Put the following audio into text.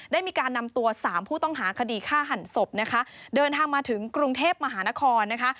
ได้มีการนำตัวสามผู้ต้องหาคดีฆ่าหันศพนะคะเดินทางมาถึงกรุงเทพมหานครนะคะ